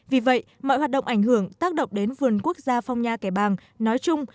vì vậy mọi hoạt động ảnh hưởng tác động đến vườn quốc gia phong nha kẻ bàng nói chung